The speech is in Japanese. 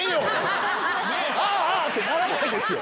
あぁ！ってならないですよ。